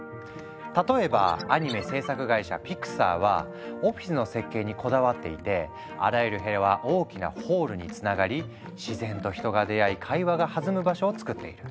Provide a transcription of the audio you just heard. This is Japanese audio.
例えばアニメ制作会社ピクサーはオフィスの設計にこだわっていてあらゆる部屋は大きなホールにつながり自然と人が出会い会話が弾む場所をつくっている。